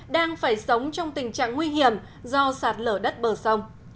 đang phải sống trong tình trạng nguy hiểm do sạt lở đất bờ sông